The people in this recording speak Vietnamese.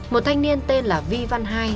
một thanh niên tên là vi văn hai